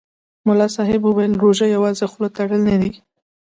ملا صاحب ویل: روژه یوازې خوله تړل نه دي.